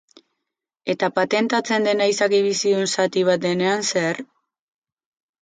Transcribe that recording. Eta patentatzen dena izaki bizidun zati bat denean zer?